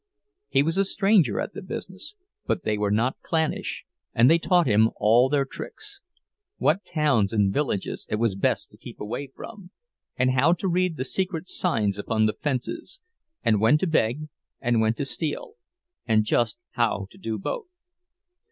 He was a stranger at the business, but they were not clannish, and they taught him all their tricks—what towns and villages it was best to keep away from, and how to read the secret signs upon the fences, and when to beg and when to steal, and just how to do both.